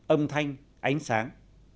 âm thanh ánh sáng